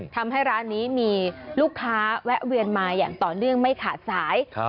ทำให้ร้านนี้มีลูกค้าแวะเวียนมาอย่างต่อเนื่องไม่ขาดสาย